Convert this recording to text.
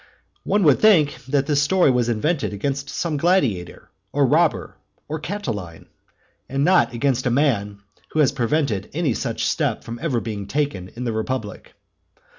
One would think that this story was invented against some gladiator, or robber, or Catiline, and not against a man who had prevented any such step from ever being taken in the republic.